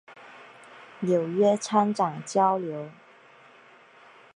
纽约参展交流